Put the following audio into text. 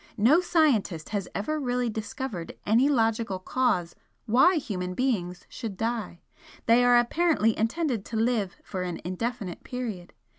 No scientist has ever really discovered any logical cause why human beings should die they are apparently intended to live for an indefinite period.